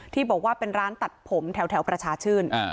ที่บอกว่าเป็นร้านตัดผมแถวประชาชื่น